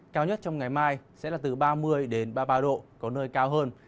cao nhất trong ngày mai sẽ là từ ba mươi đến ba mươi ba độ có nơi cao hơn